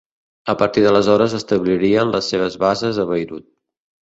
A partir d'aleshores establirien les seves bases a Beirut.